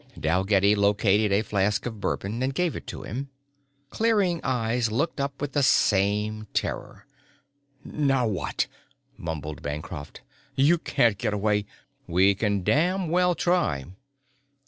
Dalgetty located a flask of bourbon and gave it to him. Clearing eyes looked up with the same terror. "Now what?" mumbled Bancroft. "You can't get away " "We can damn well try.